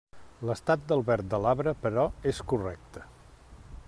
L'estat del verd de l'arbre, però, és correcte.